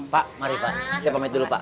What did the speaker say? pak mari pak siapa pamit dulu pak